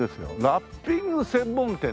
「ラッピング専門店」だって。